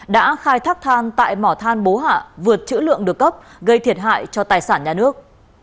đã khai thác than tại mỏ than bố hạ vượt chữ lượng được cấp gây thiệt hại cho tài sản nhà nước